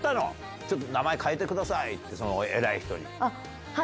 ちょっと、名前変えてくださいって、はい。